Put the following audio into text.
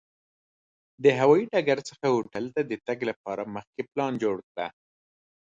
د هوایي ډګر څخه هوټل ته د تګ لپاره مخکې پلان جوړ کړه.